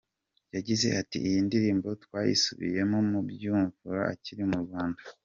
Yagize ati “Iyi ndirimbo twayisubiyemo Byumvuhore akiri mu Rwanda.